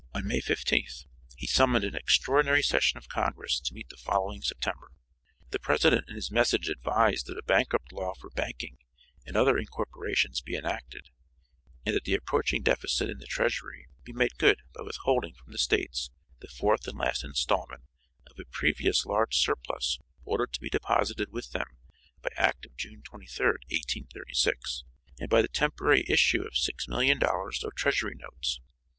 On May 15th, he summoned an extraordinary session of congress to meet the following September. The president in his message advised that a bankrupt law for banking and other incorporations be enacted; and that the approaching deficit in the treasury be made good by withholding from the States the fourth and last installment of a previous large surplus ordered to be deposited with them by act of June 23rd, 1836, and by the temporary issue of $6,000,000 of treasury notes.